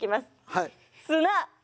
はい。